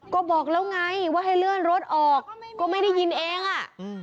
ก็บอกแล้วไงว่าให้เลื่อนรถออกก็ไม่ได้ยินเองอ่ะอืม